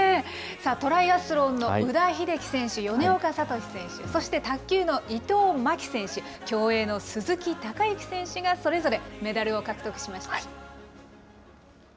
トライアスロンの宇田秀生選手、米岡聡選手、そして卓球の伊藤槙紀選手、競泳の鈴木孝幸選手が、それぞれメダルを獲得しました。